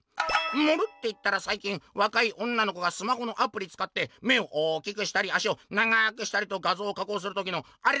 「『盛る』っていったらさい近わかい女の子がスマホのアプリつかって目を大きくしたり足を長くしたりと画像を加工する時のアレだよね？」。